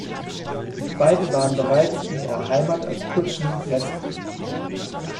Beide waren bereits in ihrer Heimat als Kutschen- resp.